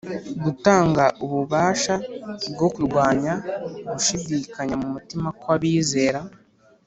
Gutanga ububasha bwo kurwanya gushyidikanya mu mutima kw'abizera